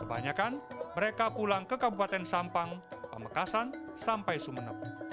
kebanyakan mereka pulang ke kabupaten sampang pemekasan sampai sumenep